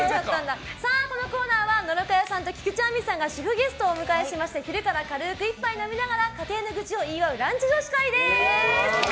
このコーナーは野呂佳代さんと菊地亜美さんが主婦ゲストをお招きしまして昼から軽く１杯飲みながら家庭の愚痴を言い合うランチ女子会です。